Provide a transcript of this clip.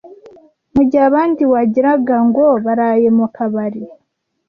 mu gihe abandi wagiraga ngo baraye mu kabari